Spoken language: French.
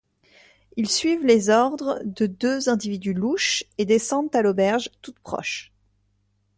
Ils suivent les ordres de deux individus louches et descendent à l'auberge toute proche.